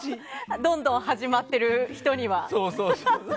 どんどん始まってる人には。